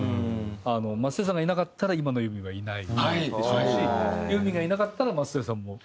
松任谷さんがいなかったら今のユーミンはいないでしょうしユーミンがいなかったら松任谷さんもね